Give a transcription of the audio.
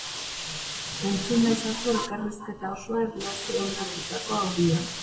Entzun ezazu elkarrizketa osoa erlazionatutako audioan!